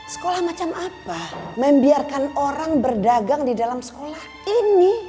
sekolah macam apa membiarkan orang berdagang di dalam sekolah ini